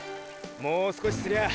もう少しすりゃあ